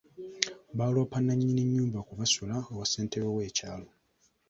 Baaloopa nnannyini nnyumba kwe basula ewa ssentebe w'ekyalo.